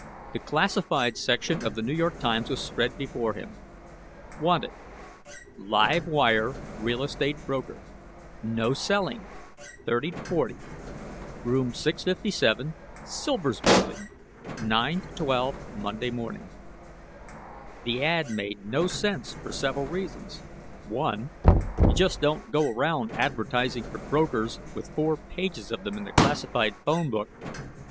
The classified section of the New York Times was spread before him. WANTED: Live wire Real Estate broker No selling 30 40. Room 657 Silvers Building 9 12 Monday morning. The ad made no sense for several reasons. One: you just don't go around advertising for brokers with four pages of them in the classified phone book.